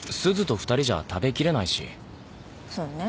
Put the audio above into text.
そうね。